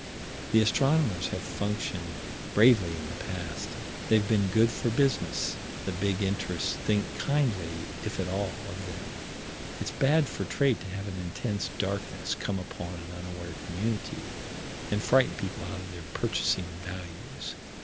The astronomers have functioned bravely in the past. They've been good for business: the big interests think kindly, if at all, of them. It's bad for trade to have an intense darkness come upon an unaware community and frighten people out of their purchasing values.